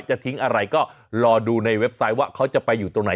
จะทิ้งอะไรก็รอดูในเว็บไซต์ว่าเขาจะไปอยู่ตรงไหน